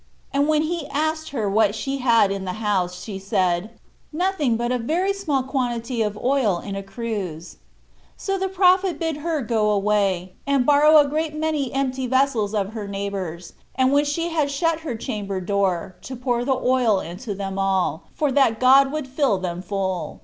And when he asked her what she had in the house, she said, "Nothing but a very small quantity of oil in a cruse." So the prophet bid her go away, and borrow a great many empty vessels of her neighbors, and when she had shut her chamber door, to pour the oil into them all; for that God would fill them full.